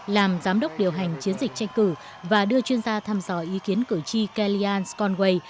làm giám đốc điều hành chiến dịch tranh cử và đưa chuyên gia thăm dò ý kiến cử tri kalian sconway